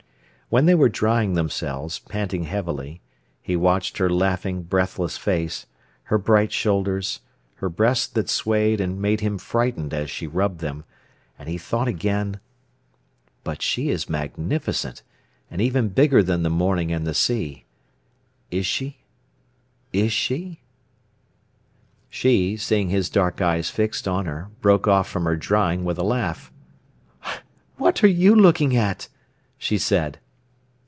When they were drying themselves, panting heavily, he watched her laughing, breathless face, her bright shoulders, her breasts that swayed and made him frightened as she rubbed them, and he thought again: "But she is magnificent, and even bigger than the morning and the sea. Is she—? Is she—?" She, seeing his dark eyes fixed on her, broke off from her drying with a laugh. "What are you looking at?" she said.